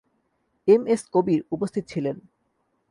M S Kabir উপস্থিত ছিলেন।